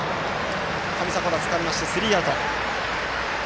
上迫田つかみましてスリーアウト。